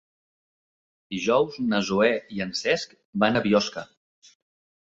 Dijous na Zoè i en Cesc van a Biosca.